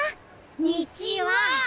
にちは。